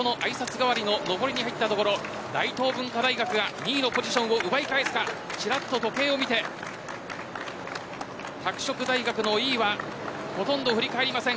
代わりの上りに入った所、大東文化大学が２位のポジションを奪い返すかちらっと時計を見て拓殖大学の伊井はほとんど振り返りません。